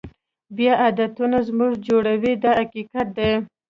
بیا عادتونه موږ جوړوي دا حقیقت دی.